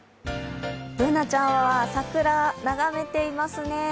Ｂｏｏｎａちゃんは桜、眺めていますね。